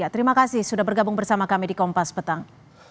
terima kasih sudah bergabung bersama kami di kompas petang